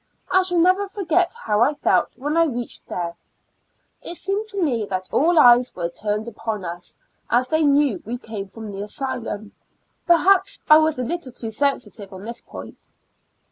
I shall never forget how I felt when I reached there. It seemed to me that all eyes were turned upon us, as they knew we came from the asylum; perhaps I was a little too sensitive on this point.